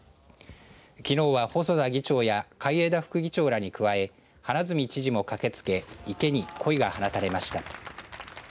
きのうは細田議長や海江田副議長らに加え花角知事も駆けつけ池に、こいが放たれました。